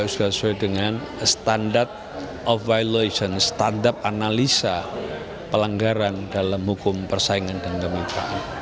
sudah sesuai dengan standar of violations standar analisa pelanggaran dalam hukum persaingan dan kemitraan